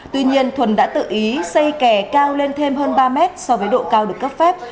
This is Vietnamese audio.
tuy nhiên thuần đã tự ý xây kè cao lên thêm hơn ba mét so với độ cao được cấp phép